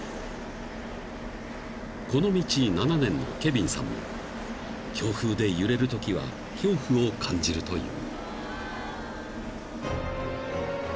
［この道７年のケヴィンさんも強風で揺れるときは恐怖を感じるという］